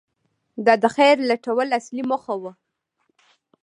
• دا د خیر لټول اصلي موخه وه.